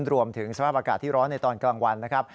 สภาพอากาศที่ร้อนในตอนกลางวันนะครับ